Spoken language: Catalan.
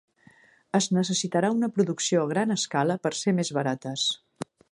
Es necessitarà una producció a gran escala per ser més barates.